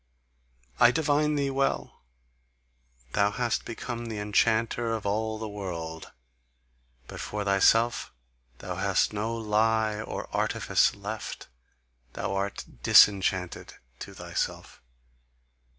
I divine thee well: thou hast become the enchanter of all the world; but for thyself thou hast no lie or artifice left, thou art disenchanted to thyself!